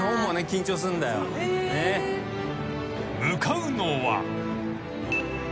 ［向かうのは］